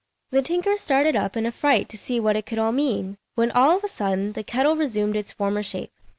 The tinker started up in a fright to see what it could all mean, when all of a sudden the kettle resumed its former shape.